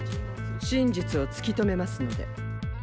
真実を突き止めますので。